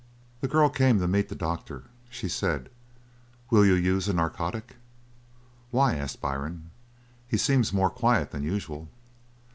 The girl came to meet the doctor. She said: "Will you use a narcotic?" "Why?" asked Byrne. "He seems more quiet than usual."